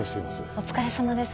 お疲れさまです。